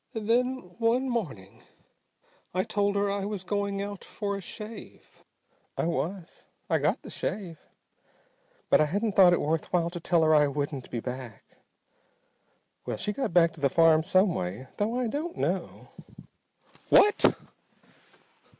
Then one morning I told her I was going out for a shave. I was. I got the shave. But I hadn't thought it worth while to tell her I wouldn't be back. Well, she got back to the farm some way, though I don't know ""What!"